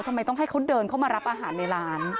ทำไมต้องให้เขาเดินเข้ามารับอาหารในร้าน